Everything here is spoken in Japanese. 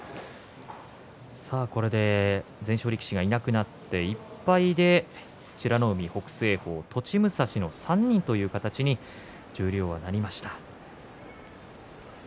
さあこれで全勝力士がいなくなって１敗で美ノ海、北青鵬、栃武蔵の３人という形に十両はなりました。